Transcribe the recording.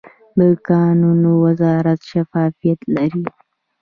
د کانونو وزارت شفافیت لري؟